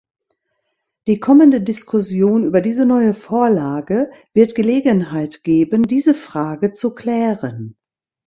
Die kommende Diskussion über diese neue Vorlage wird Gelegenheit geben, diese Frage zu klären.